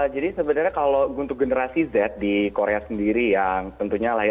jadi sebenarnya kalau untuk generasi z di korea sendiri yang tentunya layaknya